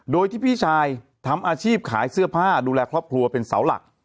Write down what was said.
โดยที่พี่ชายทำอาชีพขายเสื้อผ้าดูแลครอบครัวเป็นเสาหลัก